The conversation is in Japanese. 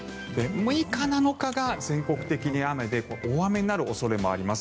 ６日、７日が全国的に雨で大荒れになる恐れもあります。